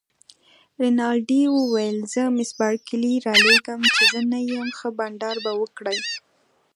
رینالډي وویل: زه مس بارکلي رالېږم، چي زه نه یم، ښه بانډار به وکړئ.